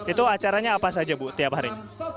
itu acaranya apa saja bu tiap hari